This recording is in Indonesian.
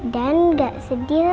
dan gak sedih lagi